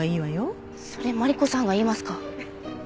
それマリコさんが言いますか。